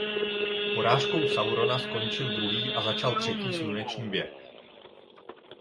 Porážkou Saurona skončil druhý a začal třetí sluneční věk.